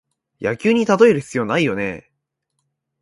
野球にたとえる必要ないよね